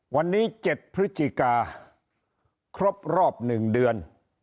วันนี้๗พฤศจิกาครบรอบ๑เดือน